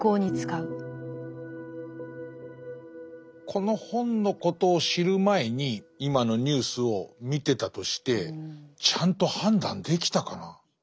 この本のことを知る前に今のニュースを見てたとしてちゃんと判断できたかな。